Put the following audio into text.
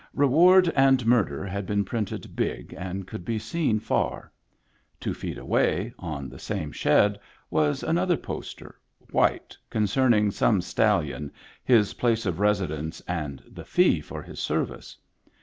Re ward and Murder had been printed big and could be seen far. Two feet away, on the same shed, was another poster, white, concerning some stal lion, his place of residence, and the fee for his service.